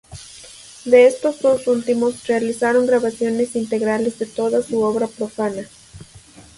De estos dos últimos, realizaron grabaciones integrales de toda su obra profana.